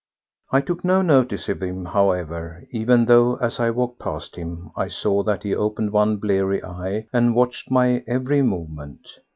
I took no notice of him, however, even though, as I walked past him, I saw that he opened one bleary eye and watched my every movement.